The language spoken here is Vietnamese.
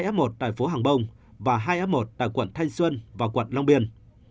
f một tại phố hàng bông và hai f một tại quận thanh xuân và quận long biên